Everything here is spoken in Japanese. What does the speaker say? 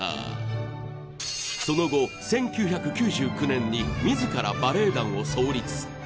その後１９９９年に自らバレエ団を創立。